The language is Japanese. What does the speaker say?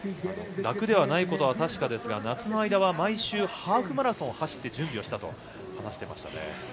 楽ではないことは確かですが夏の間は毎週ハーフマラソンを走って準備をしたと話していましたね。